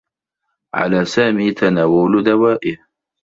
على سامي تناول دوائه.